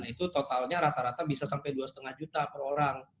itu totalnya rata rata bisa sampai dua lima juta per orang